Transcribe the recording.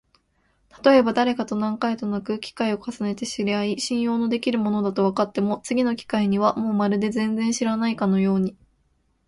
たとえばだれかと何回となく機会を重ねて知り合い、信用のできる者だとわかっても、次の機会にはもうまるで全然知らないかのように、